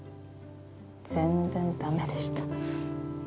全然ダメでした。